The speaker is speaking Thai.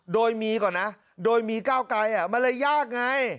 โดยมีก่อนนะโดยมีก้าวไกลมันเลยยากไง